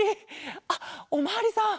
あっおまわりさん。